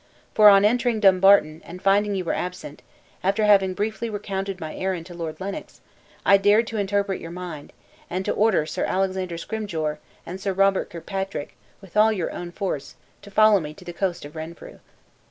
For on entering Dumbarton, and finding you were absent, after having briefly recounted my errand to Lord Lennox, I dared to interpret your mind, and to order Sir Alexander Scrymgeour, and Sir Roger Kirkpatrick, with all your own force, to follow me to the coast of Renfrew."